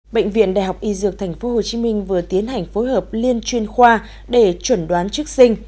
bệnh viện đại học y dược tp hcm vừa tiến hành phối hợp liên chuyên khoa để chuẩn đoán chức sinh